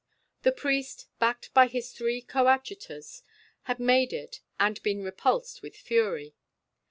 The priest, backed by his three coadjutors, had made it, and been repulsed with fury.